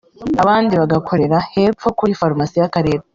abandi bagakorera hepfo kuri Farumasi y’akarere